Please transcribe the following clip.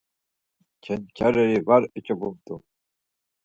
Cenç̌areri var eç̌op̌umt̆u.